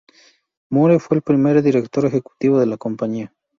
Moore fue el primer Director Ejecutivo de la compañía.